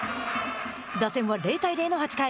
打線は０対０の８回。